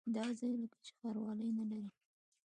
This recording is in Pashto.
دا ځای لکه چې ښاروالي نه لري.